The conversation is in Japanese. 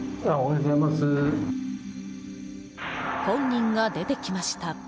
本人が出てきました。